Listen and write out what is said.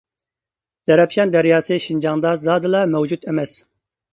زەرەپشان دەرياسى شىنجاڭدا زادىلا مەۋجۇت ئەمەس.